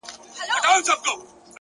پوهه او عاجزي ښکلی ترکیب دی.